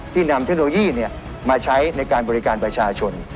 นำเทคโนโลยีมาใช้ในการบริการประชาชน